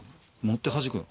持ってはじく。